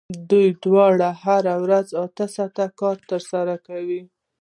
دوی دواړو هره ورځ اته ساعته کار ترسره کاوه